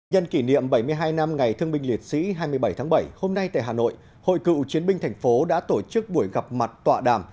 nhân kỷ niệm bảy mươi hai năm ngày thương binh liệt sĩ hai mươi bảy tháng bảy hôm nay tại hà nội hội cựu chiến binh thành phố đã tổ chức buổi gặp mặt tọa đàm